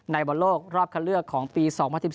ในบนโลกรอบเข้าเลือกของปี๒๐๑๔